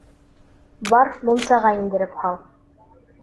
Бар, мунсаға индереп һал.